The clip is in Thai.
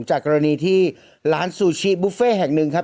กรณีที่ร้านซูชิบุฟเฟ่แห่งหนึ่งครับ